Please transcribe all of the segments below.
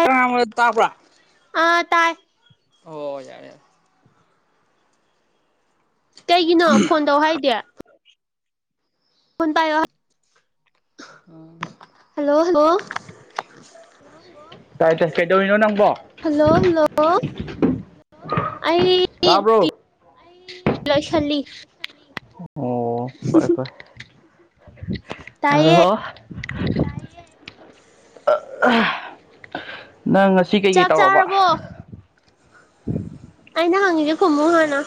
[unintelligible] ꯉꯥꯡꯕꯗꯣ ꯇꯥꯕ꯭ꯔꯣ ꯑ ꯇꯥꯏ ꯑꯣ ꯌꯥꯔꯦ ꯌꯥꯔꯦ ꯀꯩꯒꯤꯅꯣ ꯐꯣꯟ ꯇꯧ ꯍꯥꯏꯗꯤ ꯐꯣꯟ ꯄꯥꯏꯌꯣ ꯍꯥ ꯍꯜꯂꯣ ꯍꯜꯂꯣ ꯇꯥꯏ ꯇꯥꯏ ꯀꯩꯗꯧꯔꯤꯅꯣ ꯅꯪꯕꯣ ꯍꯜꯂꯣ ꯍꯜꯂꯣ ꯑꯩ [unintelligible] ꯇꯥꯕ꯭ꯔꯣ ꯂꯣꯏꯁꯜꯂꯤ ꯑꯣ ꯐꯔꯦ ꯐꯔꯦ ꯇꯥꯏꯌꯦ [unintelligible] ꯅꯪ ꯉꯁꯤ ꯀꯩꯀꯩ ꯆꯥꯛ ꯇꯧꯔꯕ ꯆꯥꯔꯕꯣ ꯑꯩꯅ ꯍꯪꯒꯦꯗꯨ ꯈꯨꯝꯃꯨ ꯍꯥꯟꯅ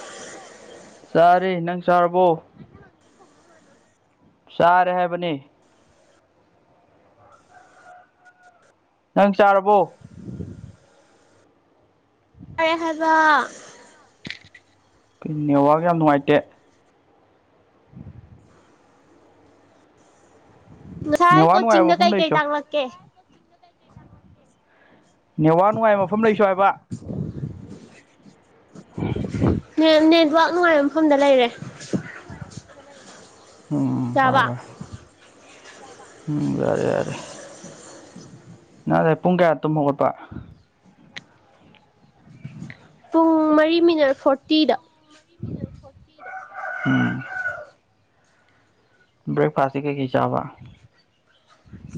ꯆꯥꯔꯦ ꯅꯪ ꯆꯥꯔꯕꯣ ꯆꯥꯔꯦ ꯍꯥꯏꯕꯅꯤ ꯅꯪ ꯆꯥꯔꯕꯣ ꯆꯥꯔꯦ ꯍꯥꯏꯕ ꯀꯩꯅꯣ ꯅꯦꯠꯋꯥꯛ ꯌꯥꯝ ꯅꯨꯡꯉꯥꯏꯇꯦ ꯉꯁꯥꯏ ꯅꯦꯠꯋꯥꯛ ꯅꯨꯡꯉꯥꯏꯕ ꯀꯣꯆꯤꯡꯗ ꯃꯐꯝ ꯀꯩ ꯀꯩ ꯂꯩꯁꯣ ꯇꯥꯛꯂꯛꯀꯦ ꯅꯦꯠꯋꯥꯛ ꯅꯨꯡꯉꯥꯏꯕ ꯃꯐꯝ ꯂꯩꯁꯣ ꯍꯥꯏꯕ [inaudible] ꯅꯦꯠ ꯅꯦꯠꯋꯥꯛ ꯅꯨꯡꯉꯥꯏꯕ ꯃꯐꯝꯗ ꯂꯩꯔꯦ ꯎꯝ ꯐꯔꯦ ꯌꯥꯕ ꯐꯔꯦ ꯎꯝ ꯌꯥꯔꯦ ꯌꯥꯔꯦ ꯅꯪ ꯉꯁꯥꯏ ꯄꯨꯡ ꯀꯌꯥ ꯇꯨꯝ ꯍꯧꯒꯠꯄ ꯄꯨꯡ ꯃꯔꯤ ꯃꯤꯅꯠ ꯐꯣꯔꯇꯤꯗ ꯎꯝ ꯕ꯭ꯔꯦꯛꯐꯥꯁꯇꯤ ꯀꯩꯀꯩ ꯆꯥꯕ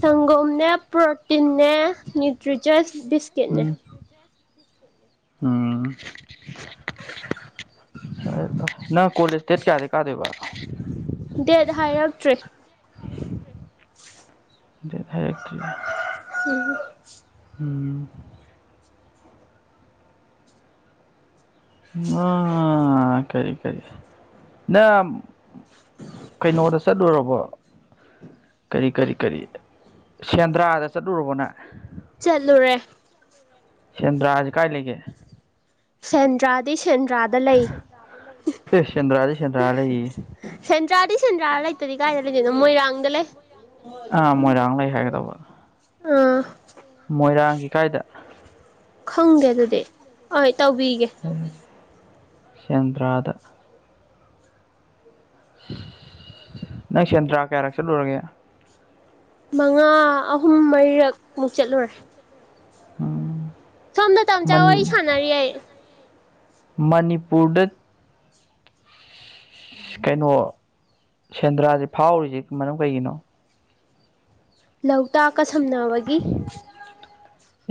ꯁꯪꯒꯣꯝꯅꯦ ꯄ꯭ꯔꯣꯇꯤꯟꯅꯦ ꯅ꯭ꯌꯨꯇ꯭ꯔꯤꯆꫭꯏꯁ ꯕꯤꯁ ꯎꯝ ꯎꯝ ꯐꯔꯦ ꯐꯔꯦ ꯅꯪ ꯀꯣꯂꯦꯖ ꯇꯦꯠ ꯀꯌꯥꯗꯩ ꯀꯥꯗꯣꯏꯕ ꯗꯦꯠ ꯍꯥꯏꯔꯛꯇ꯭ꯔꯤ ꯗꯦꯠ ꯍꯥꯏꯔꯛꯇ꯭ꯔꯤ ꯎꯝ ꯎꯝ ꯑꯥ ꯀꯔꯤ ꯀꯔꯤ ꯅꯪ ꯑꯝ ꯀꯩꯅꯣꯗ ꯆꯠꯂꯨꯔꯕꯣ ꯀꯔꯤ ꯀꯔꯤ ꯀꯔꯤ ꯁꯦꯟꯗ꯭ꯔꯥꯗ ꯆꯠꯂꯨꯔꯕꯣ ꯅꯪ ꯆꯠꯂꯨꯨꯔꯦ ꯁꯦꯟꯗ꯭ꯔꯥꯖꯤ ꯀꯥꯏ ꯂꯩꯒꯦ [inaudible] ꯁꯦꯟꯗ꯭ꯔꯥꯗꯤ ꯁꯦꯟꯗ꯭ꯔꯥꯗ ꯂꯩ ꯑꯦ ꯁꯦꯟꯗ꯭ꯔꯥꯗꯤ ꯁꯦꯟꯗ꯭ꯔꯥ ꯂꯩꯌꯦ ꯁꯦꯟꯗ꯭ꯔꯥꯗꯤ ꯁꯦꯟꯗ꯭ꯔꯥꯗ ꯂꯩꯇꯗꯤ ꯀꯥꯏꯗ ꯂꯩꯗꯣꯏꯅꯣ ꯃꯣꯏꯔꯥꯡꯗ ꯂꯩ ꯑꯥ ꯃꯣꯏꯔꯥꯡ ꯂꯩ ꯍꯥꯏꯒꯗꯧꯕ ꯑꯥ ꯃꯣꯏꯔꯥꯡꯒꯤ ꯀꯥꯏꯗ ꯈꯪꯗꯦ ꯑꯗꯨꯗꯤ ꯍꯣꯏ ꯇꯧꯕꯤꯒꯦ ꯁꯦꯟꯗ꯭ꯔꯥꯗ ꯅꯪ ꯁꯦꯟꯗ꯭ꯔꯥ ꯀꯌꯥꯔꯛ ꯆꯠꯂꯨꯔꯒꯦ ꯃꯉꯥ ꯑꯍꯨꯝ ꯃꯔꯤꯔꯛ ꯃꯨꯛ ꯆꯠꯂꯨꯔꯦ ꯎꯝ ꯁꯣꯝꯗ ꯇꯝꯆꯥ ꯃꯟ ꯋꯥꯔꯤ ꯁꯥꯟꯅꯔꯤꯌꯦ ꯃꯅꯤꯄꯨꯔꯗ ꯀꯩꯅꯣ ꯁꯦꯟꯗ꯭ꯔꯥꯁꯦ ꯐꯥꯎꯔꯤꯁꯦ ꯃꯔꯝ ꯀꯩꯒꯤꯅꯣ ꯂꯧꯇꯥꯛꯀ ꯁꯝꯅꯕꯒꯤ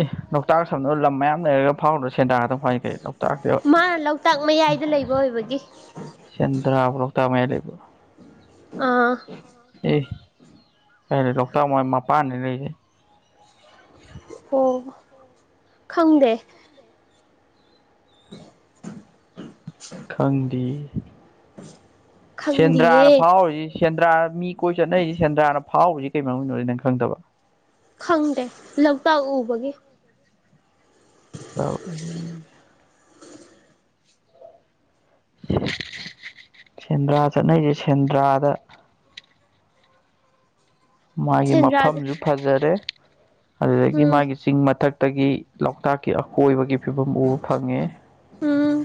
ꯑꯦ ꯂꯣꯛꯇꯥꯛ ꯁꯝꯅꯔ ꯂꯝ ꯃꯌꯥꯝ ꯂꯩꯔꯒ ꯐꯥꯎꯗꯔ ꯁꯦꯟꯗꯔꯥ ꯇꯡ ꯐꯥꯎꯔꯤ ꯀꯩ ꯂꯣꯛꯇꯥꯛꯇ ꯃꯥꯅ ꯂꯣꯛꯇꯥꯛ ꯃꯌꯥꯏꯗ ꯂꯩꯕ ꯑꯣꯏꯕꯒꯤ ꯁꯦꯟꯗ꯭ꯔꯥꯕꯨ ꯂꯣꯛꯇꯥꯛ ꯃꯌꯥꯏ ꯂꯩꯕꯔꯣ ꯑꯥ ꯑꯦ ꯀꯥꯏꯗꯩ ꯂꯣꯛꯇꯥꯛ ꯃꯣꯏ ꯃꯄꯥꯟꯗꯅꯤ ꯂꯩꯔꯤꯁꯦ ꯑꯣ ꯈꯪꯗꯦ [unintelligible] ꯈꯪꯗꯦꯌꯦ ꯈꯪꯗꯤꯌꯦ ꯁꯦꯟꯗ꯭ꯔꯥꯅ ꯐꯥꯎꯔꯤꯁꯦ ꯁꯦꯟꯗ꯭ꯔꯥ ꯃꯤ ꯀꯣꯏ ꯆꯠꯅꯩꯁꯤ ꯁꯦꯟꯗ꯭ꯔꯥꯅ ꯐꯥꯎꯔꯤꯁꯤ ꯀꯩ ꯃꯔꯝꯒꯤꯅꯣꯖꯦ ꯅꯪ ꯈꯪꯗꯕ ꯈꯪꯗꯦ ꯂꯧꯇꯥꯛ ꯎꯕꯒꯤ ꯇ ꯎꯕꯒꯤꯌꯦ ꯁꯦꯟꯗ꯭ꯔꯥ ꯆꯠꯅꯩꯁꯦ ꯁꯦꯟꯗ꯭ꯔꯥꯗ ꯃꯥꯒꯤ ꯁꯦꯟꯗ꯭ꯔꯥꯗ ꯃꯐꯝꯁꯨ ꯐꯖꯔꯦ ꯑꯗꯨꯗꯒꯤ ꯎꯝ ꯃꯥꯒꯤ ꯆꯤꯡ ꯃꯊꯛꯇꯒꯤ ꯂꯣꯛꯇꯥꯛꯀꯤ ꯑꯀꯣꯏꯕꯒꯤ ꯐꯤꯕꯝ ꯎꯕ ꯐꯪꯉꯦ ꯎꯝ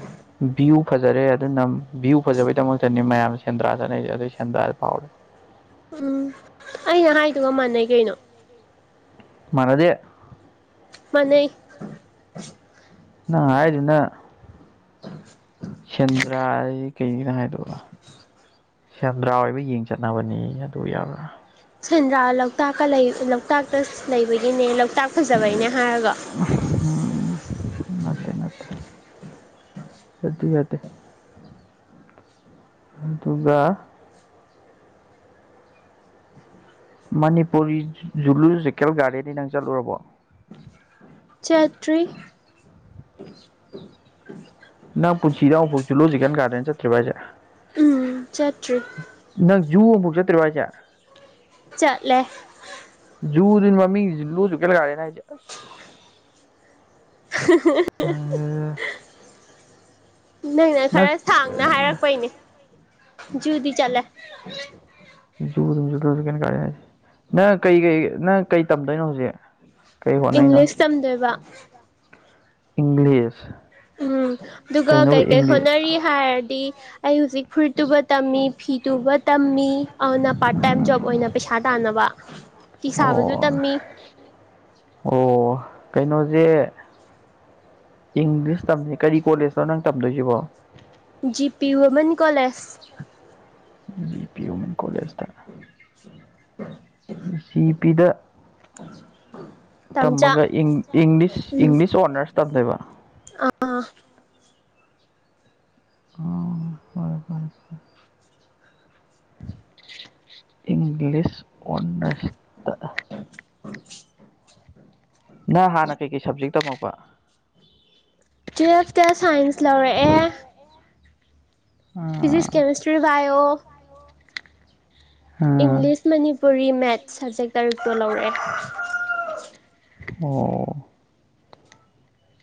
ꯚ꯭ꯌꯨ ꯐꯖꯔꯦ ꯑꯗꯨꯅ ꯚ꯭ꯌꯨ ꯐꯖꯕꯩꯗꯃꯛꯇꯅꯤ ꯃꯌꯥꯝ ꯁꯦꯟꯗ꯭ꯔꯥ ꯆꯠꯅꯩꯁꯦ ꯑꯗꯒꯤ ꯁꯦꯟꯗ꯭ꯔꯥ ꯐꯥꯎꯔꯦ ꯎꯝ ꯑꯩꯅ ꯍꯥꯏꯗꯨꯒ ꯃꯥꯟꯅꯩ ꯀꯩꯅꯣ ꯃꯥꯟꯅꯗꯦ ꯃꯟꯅꯩ ꯅꯪ ꯍꯥꯏꯗꯨꯅ ꯁꯦꯟꯗ꯭ꯔ ꯖꯤ ꯀꯩꯒꯤꯅꯤ ꯍꯥꯏꯗꯨꯕꯨ ꯁꯦꯟꯗꯔꯥ ꯑꯣꯏꯕꯩ ꯌꯦꯡ ꯆꯠꯅꯕꯅꯦꯌꯦ ꯑꯗꯨ ꯌꯕꯔꯥ ꯁꯦꯟꯗ꯭ꯔꯥ ꯂꯧꯇꯥꯛꯀ ꯂꯩ ꯂꯣꯛꯇꯥꯛꯇ ꯂꯩꯕꯒꯤꯅꯦ ꯂꯣꯛꯇꯥꯛ ꯐꯖꯕꯩꯅꯦ ꯍꯥꯏꯔꯒ ꯎꯝ ꯅꯠꯇꯦ ꯅꯠꯇꯦ ꯑꯗꯨ ꯌꯥꯗꯦ ꯑꯗꯨꯒ ꯃꯅꯤꯄꯨꯔꯤ ꯖꯨꯂꯣꯖꯤꯀꯦꯜ ꯒꯥꯔꯗꯦꯟꯗꯤ ꯅꯪ ꯆꯠꯂꯨꯔꯕꯣ ꯆꯠꯇ꯭ꯔꯤ ꯅꯪ ꯄꯨꯟꯁꯤꯗ ꯑꯃꯨꯛꯐꯣꯛ ꯖꯩꯂꯣꯖꯤꯀꯦꯟ ꯒꯥꯔꯗꯦꯟ ꯆꯠꯇ꯭ꯔꯤꯕ ꯍꯥꯏꯁꯦ ꯎꯝ ꯆꯠꯇ꯭ꯔꯤ ꯅꯪ ꯖꯨ ꯑꯃꯨꯛꯐꯥꯎ ꯆꯠꯇ꯭ꯔꯤꯕꯣ ꯍꯥꯏꯁꯦ ꯆꯠꯂꯦ ꯖꯨ ꯗꯨ ꯃꯃꯤꯡ ꯖꯨꯂꯣꯖꯤꯀꯦꯜ ꯒꯥꯔꯗꯦꯟ ꯍꯥꯏꯁꯦ ꯑꯁ [unintelligible] [unintelligible] ꯅꯪꯅ ꯅꯪ ꯈꯔ ꯁꯥꯡꯅ ꯍꯥꯏꯔꯛꯄꯩꯅꯦ ꯖꯨꯗꯤ ꯆꯠꯂꯦ ꯖꯨꯗꯨꯅꯤ ꯖꯨꯂꯣꯖꯤꯀꯦꯜ ꯒꯥꯔꯗꯦꯟ ꯍꯥꯏꯁꯦ ꯅꯪ ꯀꯩ ꯀꯩ ꯅꯪ ꯀꯩ ꯇꯝꯗꯣꯏꯅꯣ ꯍꯧꯖꯤꯛ ꯀꯩ ꯍꯣꯠꯅꯩꯅꯣ ꯏꯪꯂꯤꯁ ꯇꯝꯗꯣꯏꯕ ꯏꯪꯂꯤꯁ ꯎꯝ ꯑꯗꯨꯒ ꯀꯩꯅꯣꯕ ꯀꯩꯀꯩ ꯏꯪꯂꯤꯁ ꯍꯣꯠꯅꯔꯤ ꯍꯥꯏꯔꯗꯤ ꯑꯩ ꯍꯧꯖꯤꯛ ꯐꯨꯔꯤꯠ ꯇꯨꯕ ꯇꯝꯃꯤ ꯐꯤ ꯇꯨꯕ ꯇꯝꯃꯤ ꯑꯗꯨꯅ ꯄꯥꯔꯠ ꯇꯥꯏꯝ ꯖꯣꯕ ꯇꯝꯃꯤ ꯑꯣꯏꯅ ꯄꯩꯁꯥ ꯇꯥꯟꯅꯕ ꯐꯤ ꯁꯥꯕꯁꯨ ꯇꯝꯃꯤ ꯑꯣ ꯑꯣ ꯀꯩꯅꯣꯁꯦ ꯏꯪꯂꯤꯁ ꯇꯝ ꯀꯔꯤ ꯀꯣꯂꯦꯖꯅꯣ ꯅꯪ ꯇꯝꯗꯣꯏꯁꯤꯕꯣ G P women college G P women ꯀꯣꯂꯦꯖꯇ [inaudible] ꯖꯤ ꯄꯤꯗ ꯇꯝꯆꯥ ꯇꯝꯃꯒ ꯏꯪ ꯏꯪꯂꯤꯁ ꯎꯝ ꯏꯪꯂꯤꯁ ꯑꯣꯅꯔꯁ ꯇꯝꯗꯣꯏꯕ ꯑꯥ ꯑꯣ ꯍꯣꯏ ꯍꯣꯏ ꯍꯣꯏ ꯏꯪꯂꯤꯁ ꯑꯣꯅꯔꯁꯇ [inaudible] ꯅꯪ ꯍꯥꯟꯅ ꯀꯩꯀꯩ ꯁꯕꯖꯦꯛ ꯇꯝꯃꯛꯄ ꯇꯨꯌꯦꯜꯐꯇ ꯁꯥꯏꯟꯁ ꯂꯧꯔꯛꯑꯦ ꯐꯤꯖꯤꯛꯁ ꯑꯥ ꯀꯦꯃꯦꯁꯇ꯭ꯔꯤ ꯕꯥꯏꯑꯣ ꯑꯥ ꯏꯪꯂꯤꯁ ꯃꯅꯤꯄꯨꯔꯤ ꯃꯦꯠꯁ ꯁꯕꯖꯦꯛ ꯇꯔꯨꯛꯇꯣ ꯂꯧꯔꯛꯑꯦ ꯑꯣ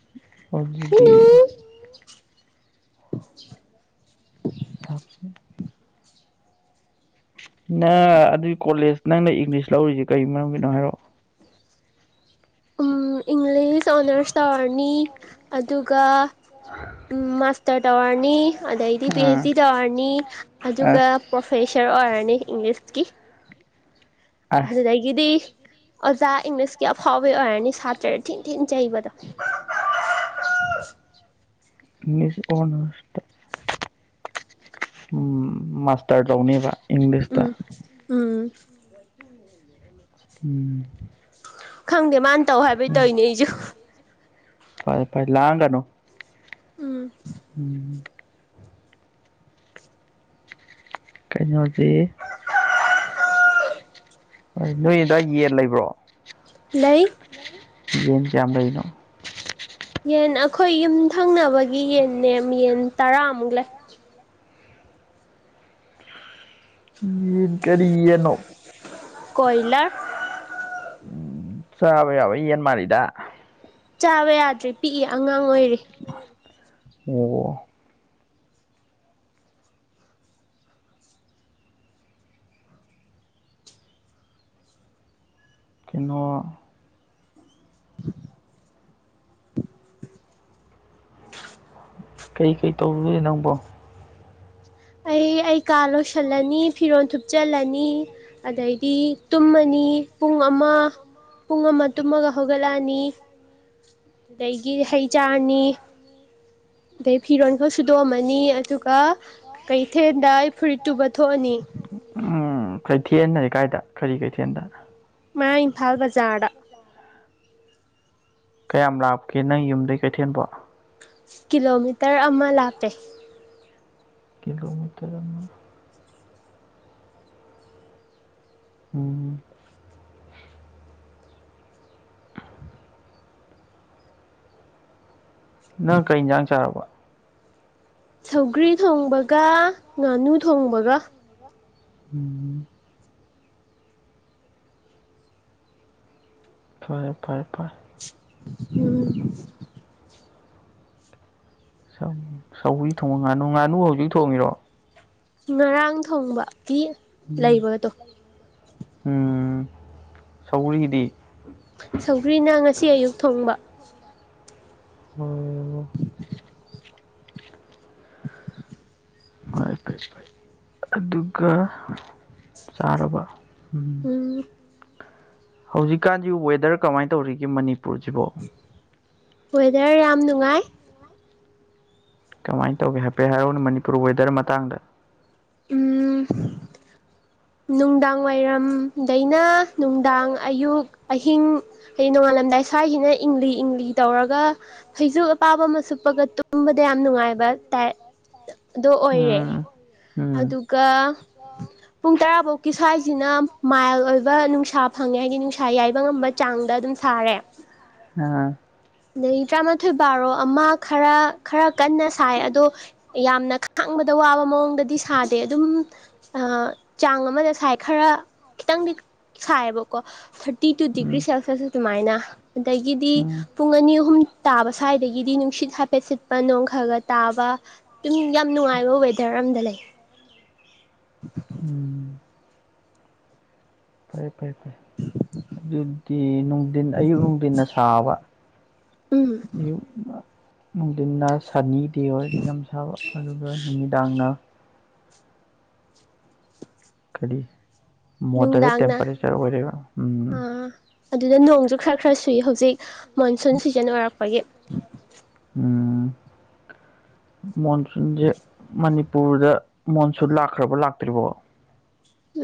[unintelligible] [inaudible] [inaudible] ꯅꯪ ꯑꯗꯨꯏ ꯀꯣꯂꯦꯖ ꯅꯪꯅ ꯏꯪꯂꯤꯁ ꯂꯧꯔꯤꯁꯦ ꯀꯔꯤ ꯃꯔꯝꯒꯤꯅꯣ ꯍꯥꯏꯔꯛ ꯑꯣ ꯑꯥ ꯏꯪꯂꯤꯁ ꯑꯣꯅꯔꯁ ꯇꯧꯔꯅꯤ ꯑꯗꯨꯒ ꯎꯝ ꯃꯥꯁꯇꯔ ꯇꯧꯔꯅꯤ ꯑꯗꯩꯗꯤ ꯄꯤ ꯑꯥ ꯑꯩꯆ ꯗꯤ ꯇꯧꯔꯅꯤ ꯑꯗꯨꯒ ꯑꯁ ꯄ꯭ꯔꯣꯐꯦꯁꯔ ꯑꯣꯏꯔꯅꯤ ꯏꯪꯂꯤꯁꯀꯤ ꯑꯥꯏ ꯑꯗꯨꯗꯒꯤꯗꯤ ꯑꯣꯖꯥ ꯏꯪꯂꯤꯁꯀꯤ ꯑꯐꯥꯎꯕꯤ ꯑꯣꯏꯔꯅꯤ ꯁꯥꯇ꯭ꯔ ꯊꯤꯟ ꯊꯤꯟ ꯆꯩꯕꯗꯣ ꯏꯪꯂꯤꯁ ꯑꯣꯅꯔꯁꯇ ꯎꯝ ꯃꯥꯁꯇꯔ ꯇꯧꯅꯦꯕ ꯏꯪꯂꯤꯁꯇ ꯎꯝ ꯎꯝ ꯎꯝ ꯈꯪꯗꯦ ꯃꯥꯅ ꯇꯧ ꯍꯥꯏꯕꯩ ꯇꯧꯔꯤꯅꯦ ꯑꯩꯁꯨ ꯐꯔꯦ ꯐꯔꯦ ꯂꯥꯡꯒꯅꯣ ꯎꯝ ꯎꯝ ꯀꯩꯅꯣꯗꯤ ꯅꯣꯏꯗ ꯌꯦꯟ ꯂꯩꯕ꯭ꯔꯣ ꯂꯩ ꯌꯦꯟ ꯀꯌꯥꯝ ꯂꯩꯔꯤꯅꯣ ꯌꯦꯟ ꯑꯈꯣꯏ ꯌꯨꯝ ꯊꯪꯅꯕꯒꯤ ꯌꯦꯟꯅꯦ ꯌꯦꯟ ꯇꯔꯥꯃꯨꯛ ꯂꯩ ꯌꯦꯟ ꯀꯔꯤ ꯌꯦꯟꯅꯣ ꯀꯣꯏꯂꯔ ꯆꯥꯥꯕ ꯌꯥꯕ ꯌꯦꯟ ꯃꯥꯜꯂꯤꯗ ꯆꯥꯕ ꯌꯥꯗ꯭ꯔꯤ ꯄꯤꯛꯏ ꯑꯉꯥꯡ ꯑꯣꯏꯔꯤ ꯑꯣ ꯀꯩꯅꯣ [inaudible] ꯀꯩ ꯀꯩ ꯇꯧꯔꯨꯅꯦ ꯅꯪꯕꯣ ꯑꯩ ꯑꯩ ꯀꯥ ꯂꯣꯏꯁꯤꯜꯂꯅꯤ ꯐꯤꯔꯣꯜ ꯊꯨꯞꯆꯜꯂꯅꯤ ꯑꯗꯩꯗꯤ ꯇꯨꯝꯃꯅꯤ ꯄꯨꯡ ꯑꯃ ꯄꯨꯡ ꯑꯃ ꯇꯨꯝꯃꯒ ꯍꯧꯒꯠꯂꯛꯅꯤ ꯑꯗꯩꯩꯒꯤ ꯍꯩ ꯆꯥꯔꯅꯤ ꯑꯗꯩ ꯐꯤꯔꯣꯟꯈ ꯁꯨꯗꯣꯛꯑꯝꯃꯅꯤ ꯑꯗꯨꯒ ꯀꯩꯊꯦꯜꯗ ꯑꯩ ꯐꯨꯔꯤꯠ ꯇꯨꯕ ꯊꯣꯛꯑꯅꯤ ꯀꯩꯊꯦꯜꯟ ꯑꯗꯤ ꯀꯥꯏꯗ ꯀꯔꯤ ꯀꯩꯊꯦꯜꯗ ꯃꯌꯥꯡ ꯏꯝꯐꯥꯜ ꯕꯖꯥꯔꯗ ꯀꯌꯥꯝ ꯂꯥꯛꯞꯀꯦ ꯅꯪ ꯌꯨꯝꯗꯩ ꯀꯩꯊꯦꯟꯕꯣ꯫ ꯀꯤꯂꯣꯃꯤꯇꯔ ꯑꯃ ꯂꯥꯞꯄꯦ꯫ ꯀꯂꯣꯃꯤꯇꯔ ꯑꯃ꯫ ꯎꯝ꯫ ꯅꯪ ꯀꯩ ꯍꯤꯟꯖꯥꯡ ꯆꯥꯔꯕ꯫ ꯁꯧꯒ꯭ꯔꯤ ꯊꯣꯡꯕꯒ ꯉꯥꯅꯨ ꯊꯣꯡꯕꯒ꯫ [inaudible] ꯐꯔꯦ ꯐꯔꯦ ꯐꯔꯦ꯫ [unintelligible] ꯁ ꯁꯧꯒ꯭ꯔꯤ ꯊꯣꯡꯉ ꯉꯥꯅꯨ ꯉꯥꯅꯨ ꯍꯧꯖꯤꯛ ꯊꯣꯡꯉꯤꯔꯣ꯫ ꯉꯔꯥꯡ ꯊꯣꯡꯕ ꯄꯤ ꯎꯝ ꯁꯧꯔꯤꯗꯤ ꯁꯧꯒ꯭ꯔꯤꯅ ꯉꯁꯤ ꯑꯌꯨꯛ ꯊꯣꯡꯕ꯫ [unintelligible] [inaudible] ꯑꯗꯨꯒ ꯆꯥꯔꯕ꯫ ꯎꯝ ꯍꯧꯖꯤꯛꯀꯥꯟꯗꯤ ꯋꯦꯗꯔ ꯀꯃꯥꯏꯅ ꯇꯧꯔꯤꯒꯦ ꯃꯅꯤꯄꯨꯔꯁꯤꯕꯣ꯫ ꯋꯦꯗꯔ ꯌꯥꯝ ꯅꯨꯡꯉꯥꯏ꯫ ꯀꯃꯥꯏꯅ ꯇꯧꯒꯦ ꯍꯥꯏꯐꯦꯠ ꯍꯥꯏꯔꯣꯅ ꯃꯅꯤꯄꯨꯔ ꯋꯦꯗꯔ ꯃꯇꯥꯡꯗ꯫ ꯎꯝ [inaudible] ꯅꯨꯡꯗꯥꯡ ꯋꯥꯏꯔꯝꯗꯩꯅ ꯅꯨꯡꯗꯥꯡ ꯑꯌꯨꯛ ꯑꯍꯤꯡ ꯍꯥꯏꯗꯤ ꯅꯣꯡꯉꯥꯜꯂꯝꯗꯥꯏ ꯁ꯭ꯋꯥꯏꯒꯤꯅ ꯏꯪꯂꯤ ꯏꯪꯂꯤ ꯇꯧꯔꯒ ꯐꯩꯖꯨ ꯑꯄꯥꯕ ꯑꯃ ꯁꯨꯞꯄꯒ ꯇꯨꯝꯕꯗ ꯌꯥꯝ ꯅꯨꯡꯉꯥꯏꯕ ꯇꯥꯏ ꯑꯗꫭ ꯑꯣꯏꯔꯦ꯫ ꯎꯝ ꯎꯝ ꯑꯗꯨꯒ ꯄꯨꯡ ꯇꯔꯥꯐꯧꯀꯤ ꯁ꯭ꯋꯥꯏꯁꯤꯅ ꯃꯥꯏꯜ ꯑꯣꯏꯕ ꯅꯨꯡꯁꯥ ꯐꯪꯉꯦ ꯍꯥꯏꯗꯤ ꯅꯨꯡꯁꯥ ꯌꯥꯏꯕ ꯉꯝꯕ ꯆꯥꯡꯗ ꯑꯗꯨꯝ ꯁꯥꯔꯦ꯫ [unintelligible] ꯗꯩ ꯇꯔꯥꯃꯥꯊꯣꯏ ꯕꯥꯔꯣ ꯑꯃ ꯈꯔ ꯈꯔ ꯀꯟꯅ ꯁꯥꯏ ꯑꯗꯣ ꯌꯥꯝꯅ ꯈꯥꯡꯕꯗ ꯋꯥꯕ ꯃꯑꯣꯡꯗꯗꯤ ꯁꯥꯗꯦ ꯑꯗꯨꯝ ꯑ ꯆꯥꯡ ꯑꯃꯗ ꯁꯥꯏ ꯈꯔ ꯈꯤꯇꯪꯗꯤ ꯁꯥꯏꯌꯦꯕꯀꯣ thirty two degree um Celsius ꯑꯗꯨꯃꯥꯏꯅ ꯑꯗꯒꯤꯗꯤ ꯎꯝ ꯄꯨꯡ ꯑꯅꯤ ꯑꯍꯨꯝ ꯇꯥꯕ ꯁ꯭ꯋꯥꯏꯗꯒꯤꯗꯤ ꯅꯨꯡꯁꯤꯠ ꯍꯥꯏꯐꯦꯠ ꯁꯤꯠꯄ ꯅꯣꯡ ꯈꯔ ꯈ ꯇꯥꯕ ꯗꯨꯝ ꯌꯥꯝ ꯅꯨꯡꯉꯥꯏꯕ ꯋꯦꯗꯔ ꯑꯝꯗ ꯂꯩ꯫ [unintelligible] ꯎꯝ ꯐꯔꯦ ꯐꯔꯦ ꯐꯔꯦ꯫ ꯑꯗꯨꯗꯤ ꯅꯨꯡ ꯗꯤꯟ ꯑꯌꯨꯛ ꯅꯨꯡꯊꯤꯟꯅ ꯁꯥꯕ ꯎꯝ ꯑꯌꯨꯛ ꯅꯨꯡꯊꯤꯟꯅ ꯁꯅꯤ ꯗꯦ ꯑꯣꯏ ꯌꯥꯝ ꯁꯥꯕ ꯑꯗꯨꯒ ꯅꯨꯃꯤꯗꯥꯡꯅ ꯀꯔꯤ ꯃꯣꯗꯔꯦꯠ ꯅꯨꯡꯗꯥꯡꯅ ꯇꯦꯝꯄꯔꯦꯆꯔ ꯑꯣꯏꯔꯦꯕ ꯎꯝ꯫ ꯑꯥ ꯑꯗꯨꯗ ꯅꯣꯡꯁꯨ ꯈꯔ ꯈꯔ ꯁꯨꯏ ꯍꯧꯖꯤꯛ ꯃꯣꯟꯁꯨꯟ ꯁꯤꯖꯟ ꯑꯣꯏꯔꯛꯄꯒꯤ꯫ ꯎꯝ ꯃꯣꯟꯁꯨꯟꯁꯦ ꯃꯅꯤꯄꯨꯔꯗ ꯃꯣꯟꯁꯨꯟ ꯂꯥꯛꯈ꯭ꯔꯕ ꯂꯥꯛꯇ꯭ꯔꯤꯕꯣ꯫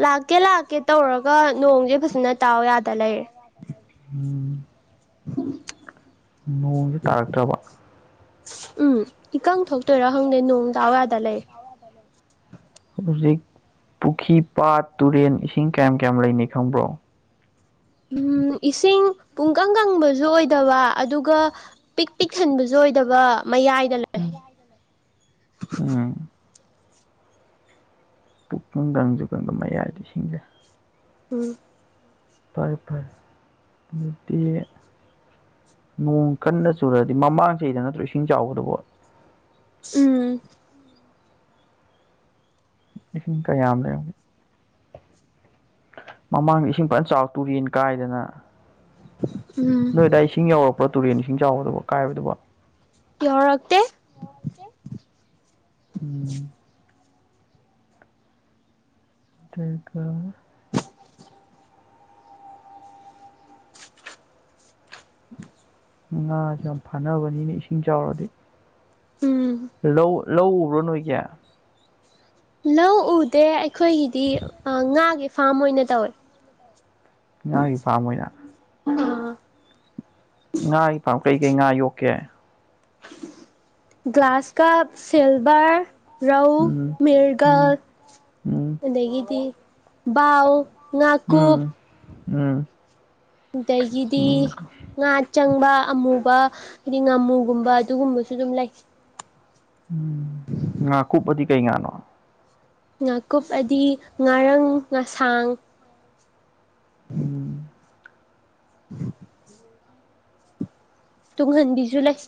ꯂꯥꯛꯀꯦ ꯂꯥꯛꯀꯦ ꯇꯧꯔꯒ ꯅꯣꯡꯁꯦ ꯐꯖꯅ ꯇꯥꯑꫭ ꯌꯥꯗ ꯂꯩꯔꯦ꯫ ꯎꯝ ꯅꯣꯡꯁꯦ ꯇꯥꯔꯛꯇ꯭ꯔꯕ꯫ ꯎꯝ ꯏꯀꯪ ꯊꯣꯛꯇꯣꯏꯔꯣ ꯍꯪꯗꯦ ꯅꯣꯡ ꯇꯥꯑꫭ ꯌꯥꯗ ꯂꯩꯔꯦ꯫ ꯍꯧꯖꯤꯛ ꯄꯨꯈ꯭ꯔꯤ ꯄꯥꯠ ꯇꯨꯔꯦꯟ ꯏꯁꯤꯡ ꯀꯌꯥꯝ ꯀꯌꯥꯝ ꯂꯩꯅꯩ ꯈꯪꯕ꯭ꯔꯣ꯫ ꯎꯝ ꯏꯁꯤꯡ ꯄꯨꯡꯀꯪ ꯀꯪꯕꯁꯨ ꯑꯣꯏꯗꯕ ꯑꯗꯨꯒ ꯄꯤꯛ ꯄꯤꯛ ꯊꯟꯕꯁꯨ ꯑꯣꯏꯗꯕ ꯃꯌꯥꯏꯗ ꯂꯩ [inaudible] ꯎꯝ꯫ [inaudible] ꯃꯌꯥꯏꯗꯤ ꯁꯤꯡꯖꯦ꯫ ꯎꯝ꯫ ꯐꯥꯔꯦ ꯐꯥꯔꯦ ꯑꯗꯨꯗꯤ ꯅꯣꯡ ꯀꯟꯅ ꯆꯨꯔꯗꯤ ꯃꯃꯥꯡ ꯆꯍꯤꯗ ꯅꯠꯇ꯭ꯔꯣ ꯏꯁꯤꯡ ꯆꯥꯎꯕꯗꯨꯕꯣ ꯎꯝ ꯢꯁꯤꯡ ꯀꯌꯥꯝ ꯂꯩꯔꯝꯒꯦ ꯃꯃꯥꯡꯗ ꯏꯁꯤꯡ ꯐꯖꯅ ꯆꯥꯎ ꯇꯨꯔꯦꯟ ꯀꯥꯏꯗꯅ ꯎꯝ ꯅꯣꯏꯗꯥꯏ ꯏꯁꯤꯡ ꯌꯥꯎꯔꯛꯄ꯭ꯔꯣ ꯇꯨꯔꯦꯟ ꯏꯁꯤꯡ ꯆꯥꯎꯕꯗꯨꯕꯣ ꯀꯥꯏꯕꯗꯨꯕꯣ ꯌꯥꯎꯔꯛꯇꯦ ꯎꯝ ꯑꯗꯨꯒ ꯉꯥꯁꯨ ꯌꯥꯝ ꯐꯥꯅꯕꯅꯤꯅꯦ ꯏꯁꯤꯡ ꯆꯥꯎꯔꯗꯤ ꯎꯝ ꯂꯧ ꯂꯧ ꯎꯕ꯭ꯔꯣ ꯅꯣꯏꯒꯤ ꯂꯧ ꯎꯗꯦ ꯑꯩꯈꯣꯏꯒꯤꯗꯤ ꯉꯥꯒꯤ ꯐꯥꯔꯝ ꯑꯣꯏꯅ ꯇꯧꯋꯦ ꯉꯥꯒꯤ ꯐꯥꯝ ꯑꯣꯏꯅ ꯉꯥꯒꯤ ꯐꯥꯝ ꯀꯩꯀꯩ ꯉꯥ ꯌꯣꯛꯀꯦ ꯀ꯭ꯂꯥꯁ ꯀꯞ ꯁꯤꯜꯚꯔ ꯔꯧ ꯎꯝ ꯃꯤꯔꯒꯜ ꯎꯝ ꯎꯝ ꯑꯗꯒꯤꯗꯤ ꯕꯥꯜ ꯎꯝ ꯎꯝ ꯑꯗꯒꯤꯗꯤ ꯎꯝ ꯉꯥ ꯆꯪꯕ ꯑꯃꯨꯕ ꯑꯗꯤ ꯉꯥꯃꯨꯒꯨꯝꯕ ꯑꯗꯨꯒꯨꯝꯕꯁꯨ ꯑꯗꯨꯝ ꯂꯩ ꯎꯝ ꯉꯥꯀꯨꯞ ꯍꯥꯢꯗꯤ ꯀꯩ ꯉꯥꯟꯅꯣ ꯉꯥꯀꯨꯞ ꯑꯗꯤ ꯉꯥꯔꯥꯡ ꯉꯁꯥꯡ ꯎꯝ ꯎꯝ [inaudible] ꯇꯨꯡ ꯍꯟꯗꯤꯁꯨ ꯂꯩ